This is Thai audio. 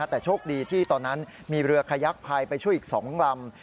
แต่โชคดีที่ตอนนั้นมีเรือคายักษ์ไผ่ไปช่วยอีกสองลำ